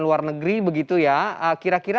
luar negeri begitu ya kira kira